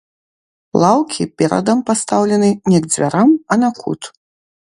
Лаўкі перадам пастаўлены не к дзвярам, а на кут.